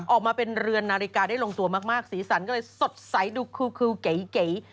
ออกมาเป็นเรือนนาฬิกาได้ลงตัวมากสีสันก็เลยสดใสดูคิวเก๋